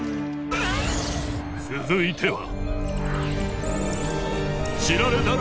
続いては。